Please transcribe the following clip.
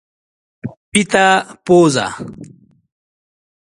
پیته پزه